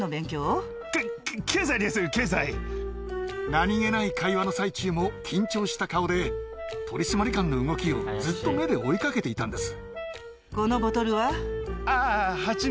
何げない会話の最中も緊張した顔で取締官の動きをずっと目で追い掛けていたんです。